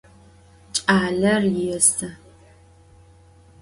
Ç'aler yêsı.